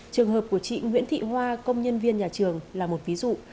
trường hợp của chị nguyễn thị hoa công nhân viên nhà trường là một ví dụ